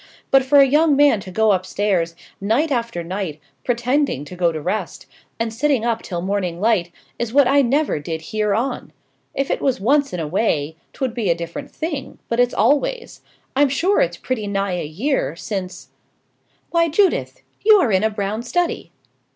but for a young man to go upstairs, night after night, pretending to go to rest, and sitting up till morning light, is what I never did hear on. If it was once in a way, 'twould be a different thing; but it's always. I'm sure it's pretty nigh a year since " "Why, Judith, you are in a brown study!"